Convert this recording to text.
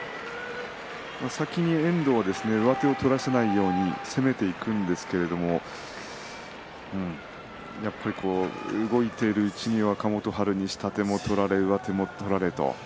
先に遠藤は上手を取らせないように攻めていくんですけれどもやっぱり動いているうちに若元春に下手も取られ上手も取られと。